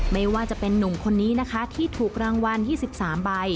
ไม่ว่าจะเป็นนุ่มคนนี้นะคะที่ถูกรางวัล๒๓ใบ